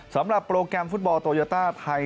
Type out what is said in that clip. สำหรับโปรแกรมฟุตบอลโตโยต้าไทย